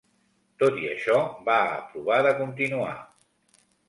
Tot i això, va aprovar de continuar.